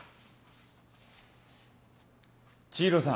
千尋さん。